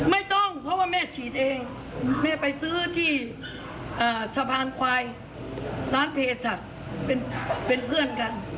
ไม่ต้องเพราะว่าแม่ฉีดเองแม่ไปซื้อที่สะพานควายร้านเพศัตริย์เป็นเพื่อนกัน